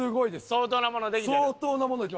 相当なものできました。